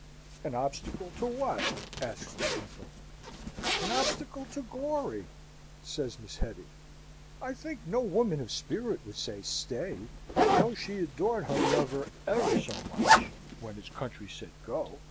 "An obstacle to what?" asks the gentleman. "An obstacle to glory!" says Miss Hetty. "I think no woman of spirit would say 'Stay!' though she adored her lover ever so much, when his country said 'Go!'